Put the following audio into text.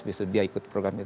bisa dia ikut programnya